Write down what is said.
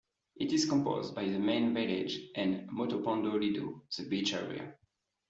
It is composed by the main village and Metaponto Lido, the beach area.